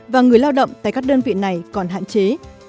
và người lao động tại các đơn vị này còn hạn chế